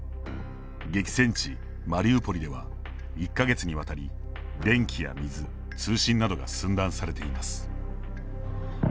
激戦地マリウポリでは１か月にわたり電気や水通信などが寸断されています。